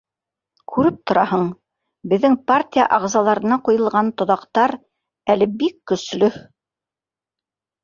Күреп тораһың, беҙҙең партия ағзаларына ҡуйылған тоҙаҡтар әле бик көслө.